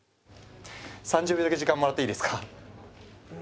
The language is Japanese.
３０秒だけ時間もらっていいですか？